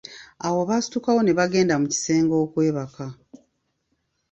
Awo baasitukawo ne bagenda mu kisenge okwebaka.